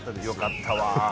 よかったわ。